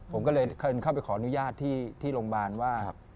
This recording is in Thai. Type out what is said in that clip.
ผมก็เลยเข้าไปขออนุญาตที่โรงพยาบาลว่า